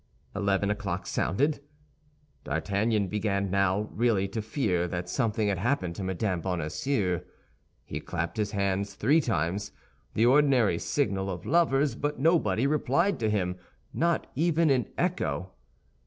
Eleven o'clock sounded. D'Artagnan began now really to fear that something had happened to Mme. Bonacieux. He clapped his hands three times—the ordinary signal of lovers; but nobody replied to him, not even an echo.